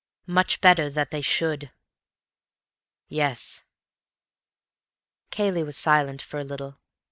"Much better that they should." "Yes." Cayley was silent for a little.